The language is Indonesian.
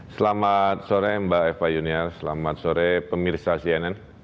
selamat sore mbak eva junior selamat sore pemirsa cnn